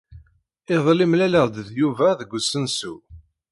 Iḍelli, mlaleɣ-d d Yuba deg usensu.